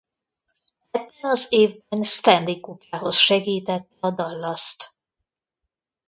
Ebben az évben Stanley-kupához segítette a Dallas-t.